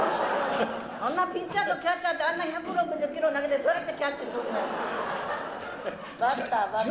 そんな、ピッチャーとキャッチャーって１６０キロ投げてどうやってキャッチすんねん。